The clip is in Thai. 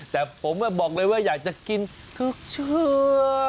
แต่ผมบอกเลยว่าอยากจะกินทุกเชื้อ